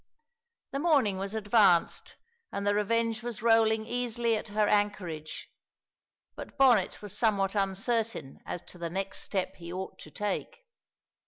The morning was advanced and the Revenge was rolling easily at her anchorage, but Bonnet was somewhat uncertain as to the next step he ought to take.